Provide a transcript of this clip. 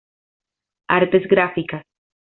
Artes Gráficas.